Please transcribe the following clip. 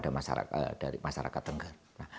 dari masyarakat tengger